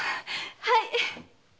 はい。